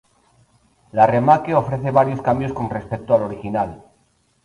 La remake ofrece varios cambios con respecto al original.